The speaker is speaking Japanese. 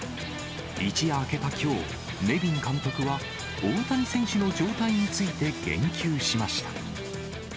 一夜明けたきょう、ネビン監督は大谷選手の状態について言及しました。